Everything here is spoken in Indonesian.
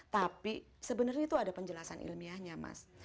tapi sebenarnya itu ada penjelasan ilmiahnya mas